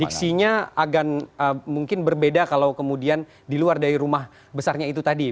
diksinya agak mungkin berbeda kalau kemudian di luar dari rumah besarnya itu tadi